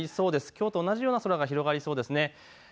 きょうと同じような空が広がりそうです。